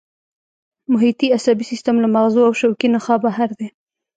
محیطي عصبي سیستم له مغزو او شوکي نخاع بهر دی